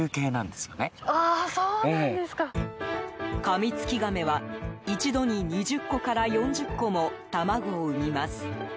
カミツキガメは一度に２０個から４０個も卵を産みます。